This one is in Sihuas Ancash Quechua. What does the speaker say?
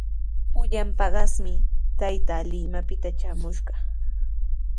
Pullan paqasmi taytaa Limapita traamushqa.